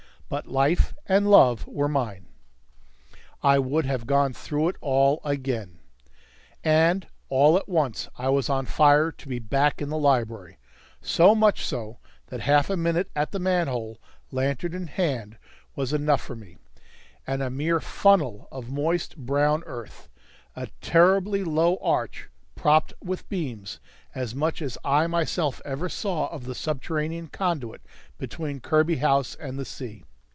But life and love were mine. I would have gone through it all again! And all at once I was on fire to be back in the library; so much so, that half a minute at the manhole, lantern in hand, was enough for me; and a mere funnel of moist brown earth a terribly low arch propped with beams as much as I myself ever saw of the subterranean conduit between Kirby House and the sea.